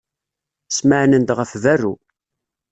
Smeɛnen-d ɣef berru.